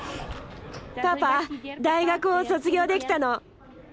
パパ大学を卒業できたの！